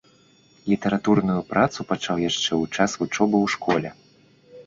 Літаратурную працу пачаў яшчэ ў час вучобы ў школе.